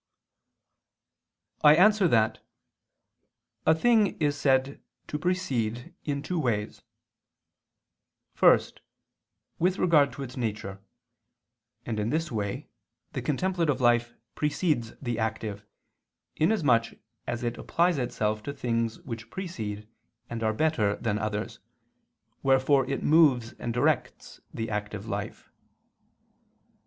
I answer that, A thing is said to precede in two ways. First, with regard to its nature; and in this way the contemplative life precedes the active, inasmuch as it applies itself to things which precede and are better than others, wherefore it moves and directs the active life.